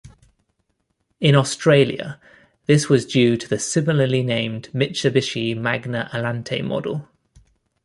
In Australia, this was due to the similarly named Mitsubishi Magna Elante model.